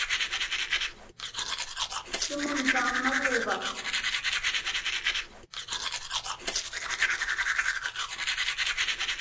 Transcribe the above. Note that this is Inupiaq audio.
Sumun paammaguuva?